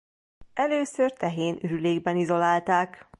Először tehén ürülékben izolálták.